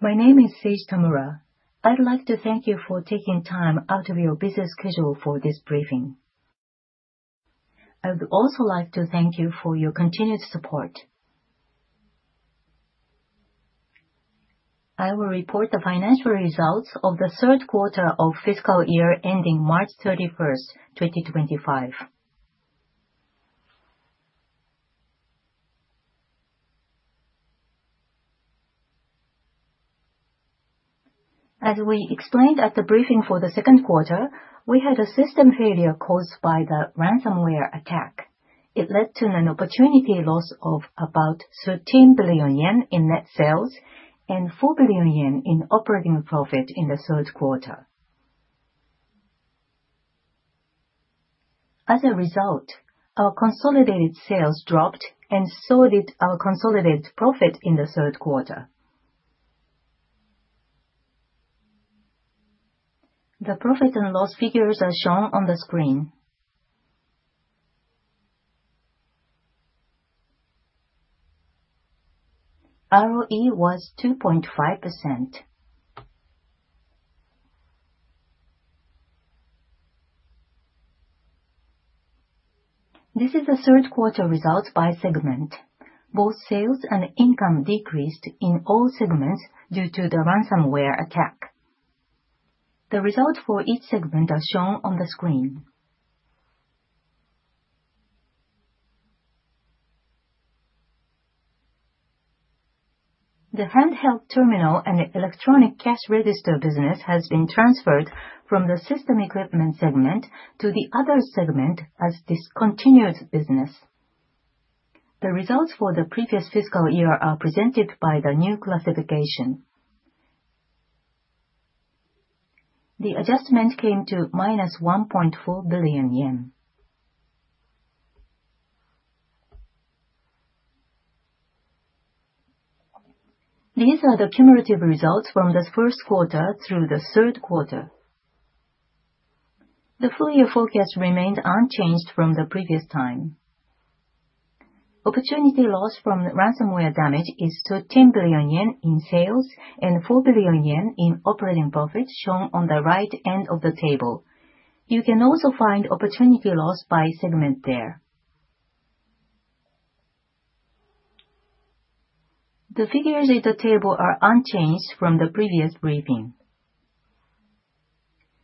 My name is Seiji Tamura. I'd like to thank you for taking time out of your busy schedule for this briefing. I would also like to thank you for your continued support. I will report the financial results of the third quarter of fiscal year ending March 31st, 2025. As we explained at the briefing for the second quarter, we had a system failure caused by the ransomware attack. It led to an opportunity loss of about 13 billion yen in net sales and 4 billion yen in operating profit in the third quarter. As a result, our consolidated sales dropped and so did our consolidated profit in the third quarter. The profit and loss figures are shown on the screen. ROE was 2.5%. This is the third quarter results by segment. Both sales and income decreased in all segments due to the ransomware attack. The results for each segment are shown on the screen. The handheld terminal and electronic cash register business has been transferred from the system equipment segment to the other segment as discontinued business. The results for the previous fiscal year are presented by the new classification. The adjustment came to 1.4 billion yen. These are the cumulative results from the first quarter through the third quarter. The full-year forecast remained unchanged from the previous time. Opportunity loss from ransomware damage is 13 billion yen in sales and 4 billion yen in operating profit, shown on the right end of the table. You can also find opportunity loss by segment there. The figures in the table are unchanged from the previous briefing.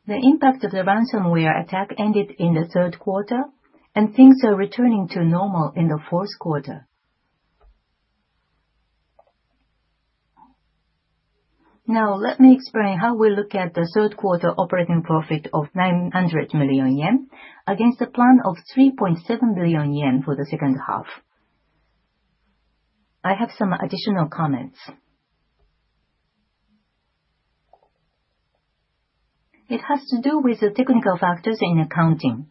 The impact of the ransomware attack ended in the third quarter, and things are returning to normal in the fourth quarter. Now, let me explain how we look at the third quarter operating profit of 900 million yen against a plan of 3.7 billion yen for the second half. I have some additional comments. It has to do with the technical factors in accounting.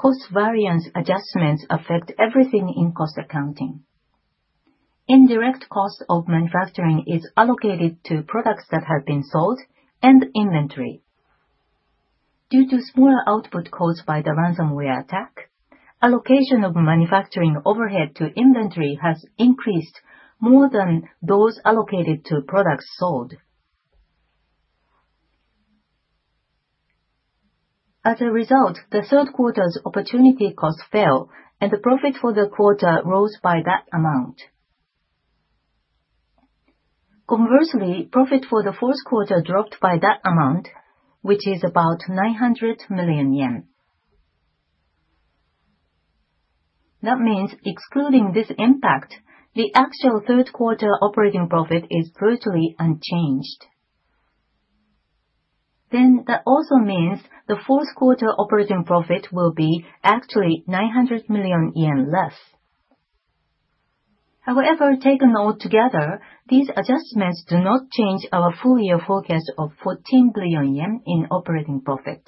Cost variance adjustments affect everything in cost accounting. Indirect cost of manufacturing is allocated to products that have been sold and inventory. Due to smaller output caused by the ransomware attack, allocation of manufacturing overhead to inventory has increased more than those allocated to products sold. As a result, the third quarter's opportunity cost fell, and the profit for the quarter rose by that amount. Conversely, profit for the fourth quarter dropped by that amount, which is about 900 million yen. That means excluding this impact, the actual third quarter operating profit is virtually unchanged, then that also means the fourth quarter operating profit will be actually 900 million yen less. However, taken all together, these adjustments do not change our full-year forecast of 14 billion yen in operating profit.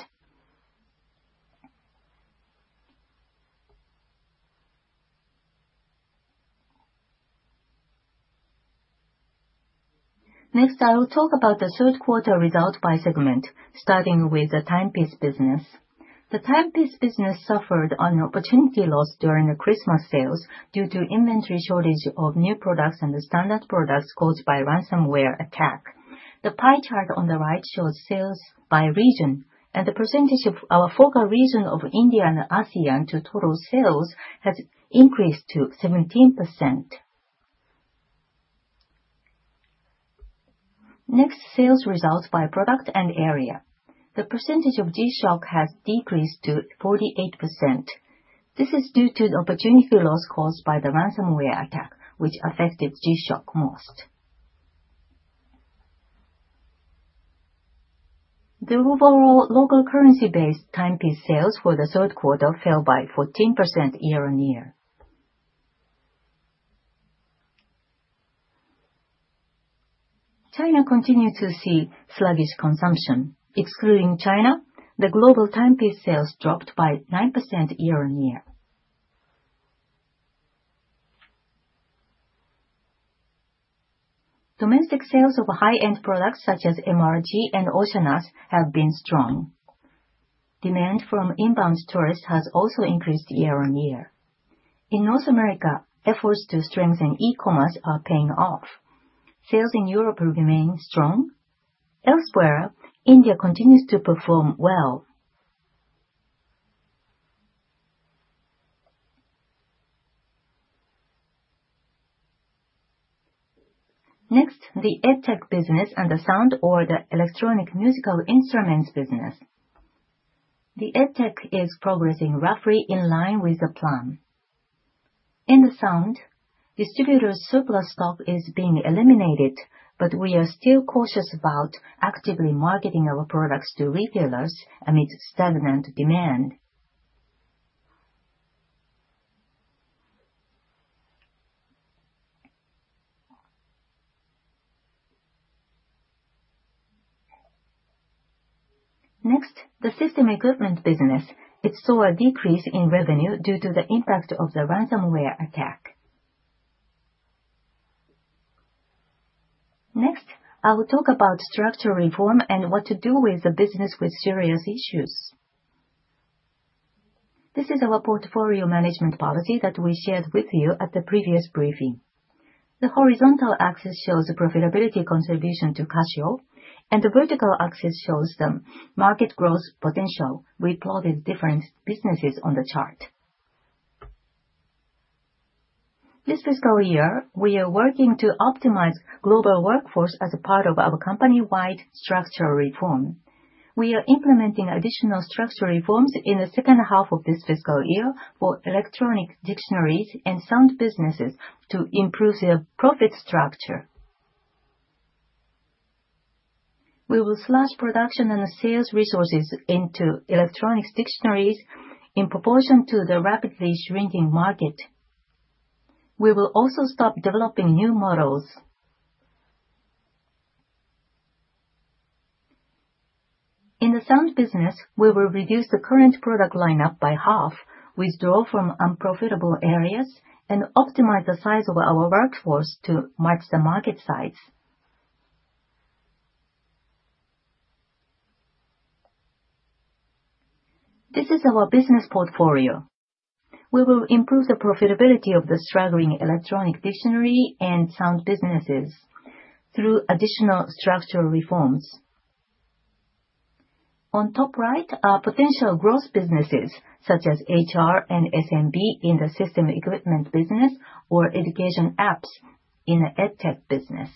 Next, I will talk about the third quarter result by segment, starting with the timepiece business. The timepiece business suffered an opportunity loss during the Christmas sales due to inventory shortage of new products and standard products caused by ransomware attack. The pie chart on the right shows sales by region, and the percentage of our focal region of India and ASEAN to total sales has increased to 17%. Next, sales results by product and area. The percentage of G-SHOCK has decreased to 48%. This is due to the opportunity loss caused by the ransomware attack, which affected G-SHOCK most. The overall local currency-based timepiece sales for the third quarter fell by 14% year on year. China continued to see sluggish consumption. Excluding China, the global timepiece sales dropped by 9% year on year. Domestic sales of high-end products such as MR-G and Oceanus have been strong. Demand from inbound tourists has also increased year on year. In North America, efforts to strengthen e-commerce are paying off. Sales in Europe remain strong. Elsewhere, India continues to perform well. Next, the EdTech business and the sound or the electronic musical instruments business. The EdTech is progressing roughly in line with the plan. In the sound, distributor surplus stock is being eliminated, but we are still cautious about actively marketing our products to retailers amid stagnant demand. Next, the system equipment business. It saw a decrease in revenue due to the impact of the ransomware attack. Next, I will talk about structural reform and what to do with the business with serious issues. This is our portfolio management policy that we shared with you at the previous briefing. The horizontal axis shows the profitability contribution to Casio, and the vertical axis shows the market growth potential. We plotted different businesses on the chart. This fiscal year, we are working to optimize global workforce as a part of our company-wide structural reform. We are implementing additional structural reforms in the second half of this fiscal year for electronic dictionaries and sound businesses to improve their profit structure. We will slash production and sales resources into electronic dictionaries in proportion to the rapidly shrinking market. We will also stop developing new models. In the sound business, we will reduce the current product lineup by half, withdraw from unprofitable areas, and optimize the size of our workforce to match the market size. This is our business portfolio. We will improve the profitability of the struggling electronic dictionary and sound businesses through additional structural reforms. On top right are potential growth businesses such as HR and SMB in the system equipment business or education apps in the EdTech business.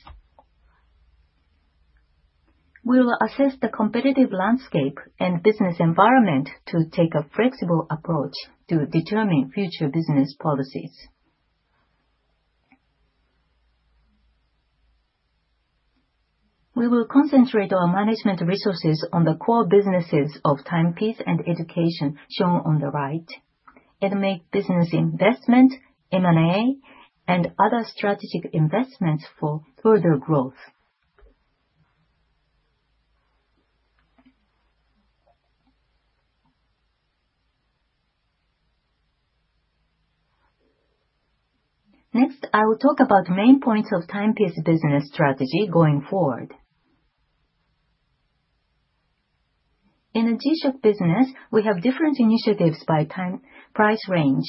We will assess the competitive landscape and business environment to take a flexible approach to determine future business policies. We will concentrate our management resources on the core businesses of timepiece and education shown on the right and make business investment, M&A, and other strategic investments for further growth. Next, I will talk about main points of timepiece business strategy going forward. In the G-SHOCK business, we have different initiatives by price range.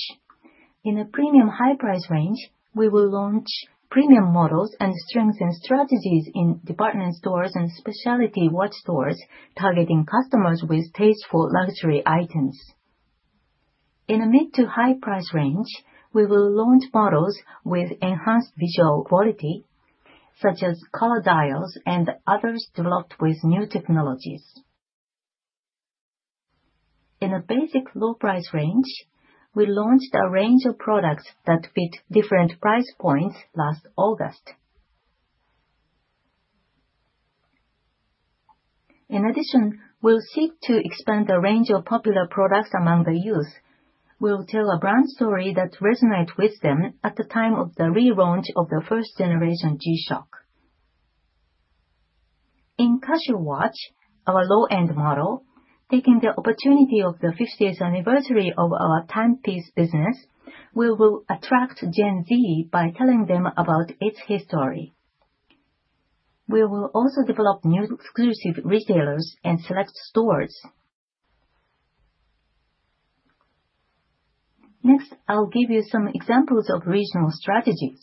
In the premium high price range, we will launch premium models and strengthen strategies in department stores and specialty watch stores targeting customers with tasteful luxury items. In the mid to high price range, we will launch models with enhanced visual quality, such as color dials and others developed with new technologies. In the basic low price range, we launched a range of products that fit different price points last August. In addition, we'll seek to expand the range of popular products among the youth. We'll tell a brand story that resonates with them at the time of the relaunch of the first generation G-SHOCK. In Casio Watch, our low-end model, taking the opportunity of the 50th anniversary of our timepiece business, we will attract Gen Z by telling them about its history. We will also develop new exclusive retailers and select stores. Next, I'll give you some examples of regional strategies.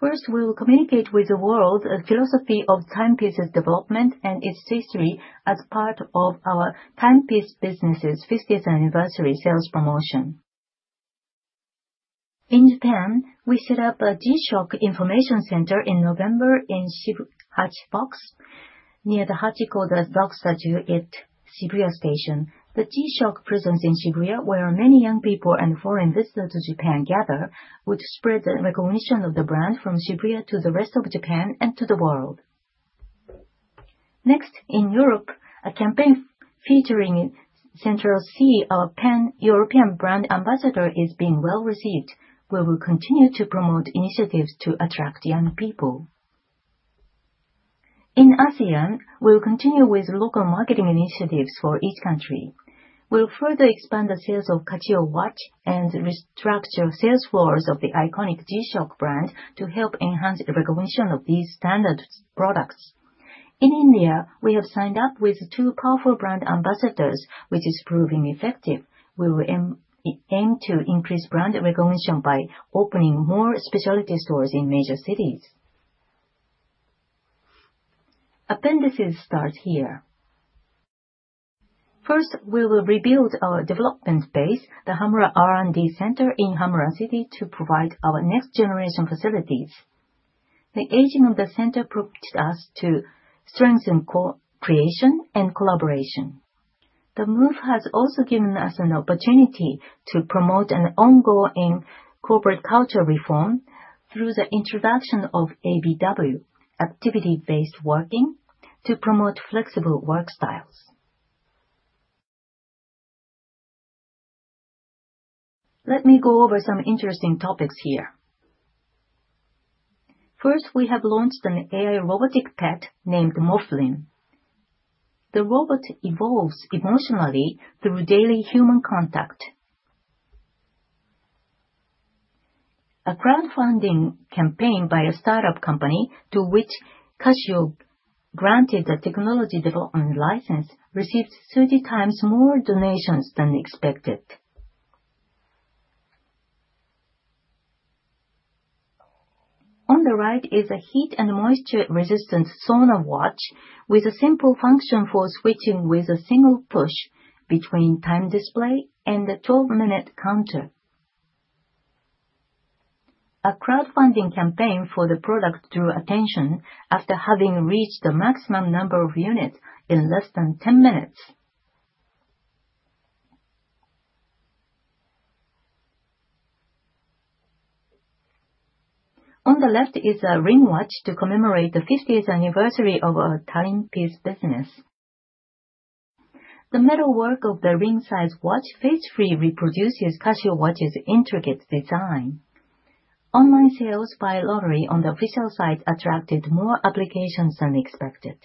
First, we will communicate with the world a philosophy of timepieces development and its history as part of our timepiece business's 50th anniversary sales promotion. In Japan, we set up a G-SHOCK information center in November in SHIBU HACHI BOX, near the Hachiko Exit at Shibuya Station. The G-SHOCK presence in Shibuya, where many young people and foreign visitors to Japan gather, would spread the recognition of the brand from Shibuya to the rest of Japan and to the world. Next, in Europe, a campaign featuring Central Cee of Pan-European brand ambassador is being well received. We will continue to promote initiatives to attract young people. In ASEAN, we will continue with local marketing initiatives for each country. We will further expand the sales of Casio Watch and restructure sales floors of the iconic G-SHOCK brand to help enhance the recognition of these standard products. In India, we have signed up with two powerful brand ambassadors, which is proving effective. We will aim to increase brand recognition by opening more specialty stores in major cities. Appendices start here. First, we will rebuild our development base, the Hamura R&D Center in Hamura City, to provide our next-generation facilities. The aging of the center prompted us to strengthen co-creation and collaboration. The move has also given us an opportunity to promote an ongoing corporate culture reform through the introduction of ABW, activity-based working, to promote flexible work styles. Let me go over some interesting topics here. First, we have launched an AI robotic pet named Moflin. The robot evolves emotionally through daily human contact. A crowdfunding campaign by a startup company to which Casio granted a technology development license received 30 times more donations than expected. On the right is a heat and moisture-resistant Sauna Watch with a simple function for switching with a single push between time display and the 12-minute counter. A crowdfunding campaign for the product drew attention after having reached the maximum number of units in less than 10 minutes. On the left is a Ring Watch to commemorate the 50th anniversary of our timepiece business. The metal work of the ring-sized watch faithfully reproduces Casio Watch's intricate design. Online sales by lottery on the official site attracted more applications than expected.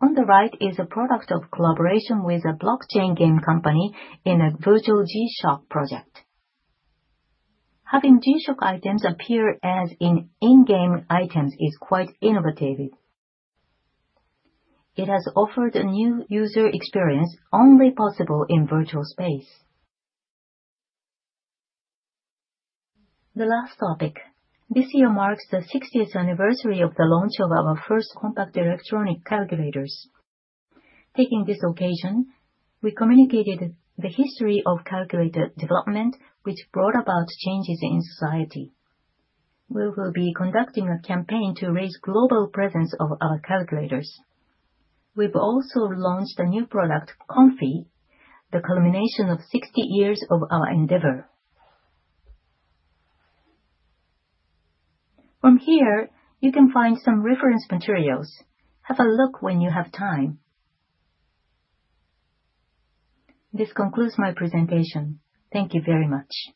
On the right is a product of collaboration with a blockchain game company in a Virtual G-SHOCK project. Having G-SHOCK items appear as in-game items is quite innovative. It has offered a new user experience only possible in virtual space. The last topic. This year marks the 60th anniversary of the launch of our first compact electronic calculators. Taking this occasion, we communicated the history of calculator development, which brought about changes in society. We will be conducting a campaign to raise global presence of our calculators. We've also launched a new product, Comfy, the culmination of 60 years of our endeavor. From here, you can find some reference materials. Have a look when you have time. This concludes my presentation. Thank you very much.